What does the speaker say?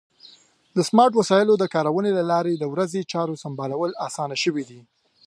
د سمارټ وسایلو د کارونې له لارې د ورځې چارو سمبالول اسان شوي دي.